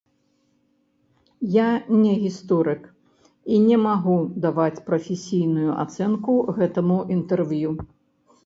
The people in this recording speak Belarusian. Я не гісторык і не магу даваць прафесійную ацэнку гэтаму інтэрв'ю.